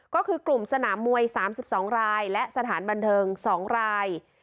ก็คือกลุ่มสนามมวย๓๒รายและสถานบันเทิง๒ราย